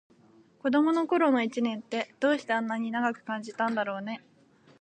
子どもの頃の一年って、どうしてあんなに長く感じたんだろうね。